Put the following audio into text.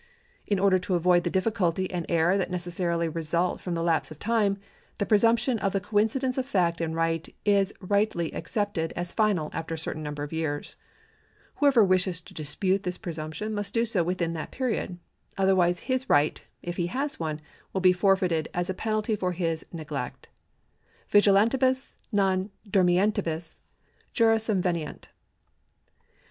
In order to avoid the difficult}' and error that necessarily result from the lapse of time, the presumption of the coincidence of fact and right is rightly accepted as final after a certain number of years. Whoever wishes to dispute this presumption must do so within that period ; otherwise his right, if he has one, will be forfeited as a penalty for his neglect. VigilantUms non dormientibus jura subveniunt.